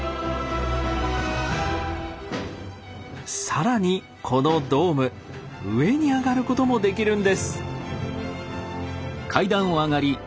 更にこのドーム上にあがることもできるんです！